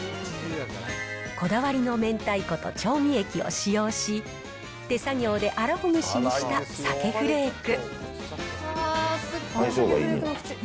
こだわりの明太子と調味液を使用し、手作業で荒ほぐしにした鮭フレーク。